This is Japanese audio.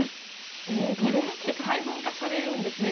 ギネスって色々、細分化されるんですね。